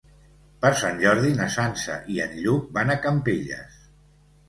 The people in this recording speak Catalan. Per Sant Jordi na Sança i en Lluc van a Campelles.